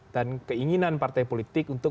dan keinginan partai politik untuk